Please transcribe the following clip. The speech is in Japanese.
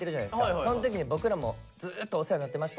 その時に僕らもずっとお世話になってました